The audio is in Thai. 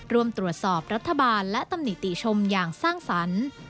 ร่วมตรวจสอบรัฐบาลและตำหนิติชมอย่างสร้างสรรค์